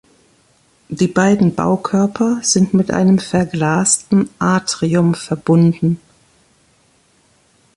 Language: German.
Die beiden Baukörper sind mit einem verglasten Atrium verbunden.